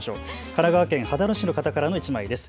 神奈川県秦野市の方からの１枚です。